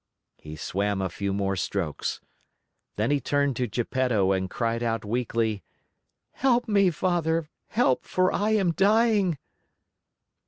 He swam a few more strokes. Then he turned to Geppetto and cried out weakly: "Help me, Father! Help, for I am dying!"